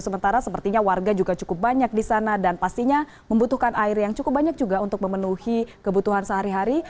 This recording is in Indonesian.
sementara sepertinya warga juga cukup banyak di sana dan pastinya membutuhkan air yang cukup banyak juga untuk memenuhi kebutuhan sehari hari